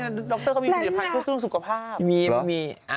ดรก็มีผลิตภัณฑ์ช่วยส่วนสุขภาพ